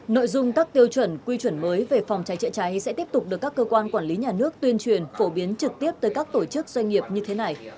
nội dung các tiêu chuẩn quy chuẩn mới về phòng cháy chữa cháy sẽ tiếp tục được các cơ quan quản lý nhà nước tuyên truyền phổ biến trực tiếp tới các tổ chức doanh nghiệp như thế này